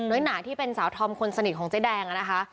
หนาที่เป็นสาวธอมคนสนิทของเจ๊แดงอะนะคะ